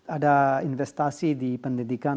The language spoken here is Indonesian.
ada investasi di pendidikan